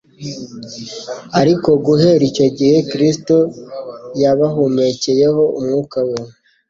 Ariko guhera icyo gihe, Kristo yabahumekcyeho Umwuka we